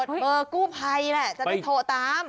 จดเบอร์กู้ภัยละจะไปโทรตาม